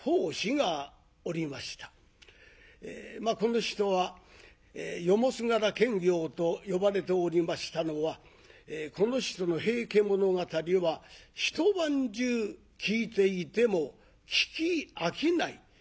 この人は「夜もすがら検校」と呼ばれておりましたのはこの人の「平家物語」は一晩中聞いていても聞き飽きない。